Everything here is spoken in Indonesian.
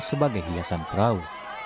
sebagai hiasan perahu